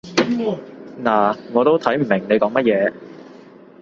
嗱，我都睇唔明你講乜嘢